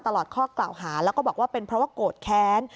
ตลอดข้อกล่าวหาแล้วก็บอกว่าเป็นเพราะว่าโกรธแค้น